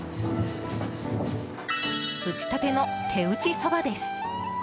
打ち立ての手打ちそばです。